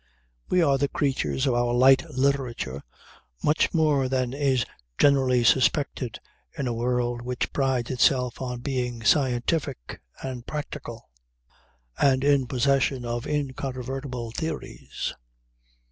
We are the creatures of our light literature much more than is generally suspected in a world which prides itself on being scientific and practical, and in possession of incontrovertible theories.